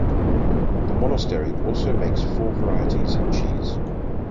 The monastery also makes four varieties of cheese.